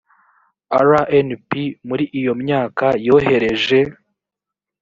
rnp muri iyo myaka yohereje